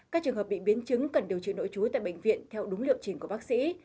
các trường hợp bị biến chứng cần điều trị nội trú tại bệnh viện theo đúng liệu trình của bác sĩ